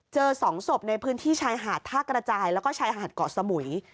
๒ศพในพื้นที่ชายหาดท่ากระจายแล้วก็ชายหาดเกาะสมุย